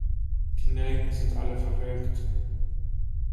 Die Nelken sind alle verwelkt.